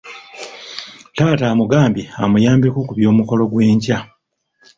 Taata amugambye amuyambeko ku by'omukolo gw'enkya.